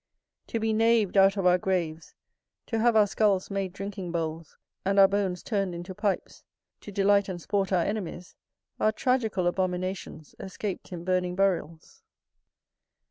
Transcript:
To be knav'd out of our graves, to have our skulls made drinking bowls, and our bones turned into pipes, to delight and sport our enemies, are tragical abominations escaped in burning burials.